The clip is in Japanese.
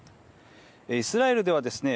イスラエルではですね